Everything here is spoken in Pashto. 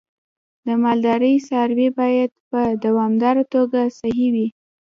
د مالدارۍ څاروی باید په دوامداره توګه صحي وي.